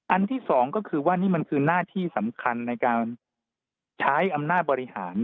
ที่สองก็คือว่านี่มันคือหน้าที่สำคัญในการใช้อำนาจบริหาร